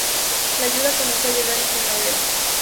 La ayuda comenzó a llegar en primavera.